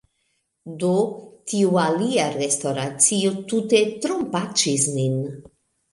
Do, tiu alia restoracio tute trompaĉis nin!